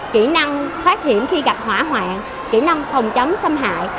kỹ năng thoát hiểm khi gặp hỏa hoạn kỹ năng phòng chống xâm hại